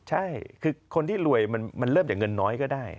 ใช่คือคนที่รวยมันเริ่มจากเงินน้อยก็ได้